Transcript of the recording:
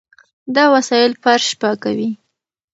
دا وسایل فرش پاکوي.